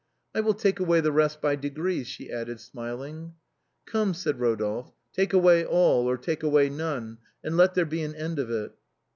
" I will take away the rest by degrees," she added, smiling. " Come," said Eodolphe, " take away all or take away none, but let there be an end of it."